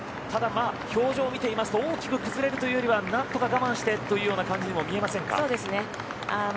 ただ表情を見ていますと大きく崩れるというよりは何とか我慢してというようにも見えませんか。